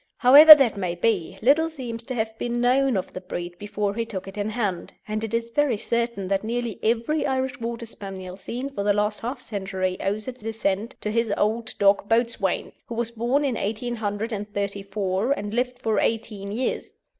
However that may be, little seems to have been known of the breed before he took it in hand, and it is very certain that nearly every Irish Water Spaniel seen for the last half century owes its descent to his old dog Boatswain, who was born in 1834 and lived for eighteen years.